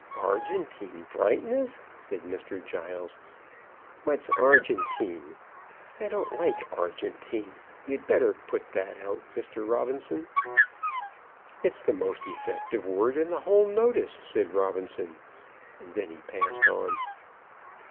"Argentine brightness!" said Mr. Giles. "What's 'argentine?' I don't like 'argentine.' You'd better put that out, Mr. Robinson." "It's the most effective word in the whole notice," said Robinson, and then he passed on.